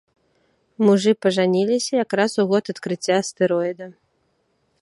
Мужы пажаніліся якраз у год адкрыцця астэроіда.